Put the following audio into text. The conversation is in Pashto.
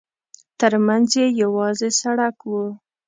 ترمنځ یې یوازې سړک و.